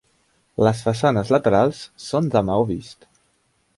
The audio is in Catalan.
Les façanes laterals són de maó vist.